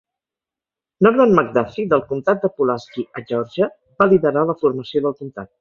Norman McDuffie, del comtat de Pulaski, a Geòrgia, va liderar la formació del comtat.